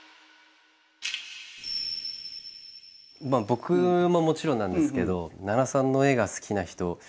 僕ももちろんなんですけど奈良さんの絵が好きな人